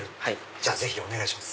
じゃあぜひお願いします。